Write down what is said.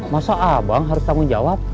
masa abang harus tanggung jawab